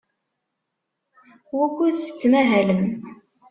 Wukud tettmahalem?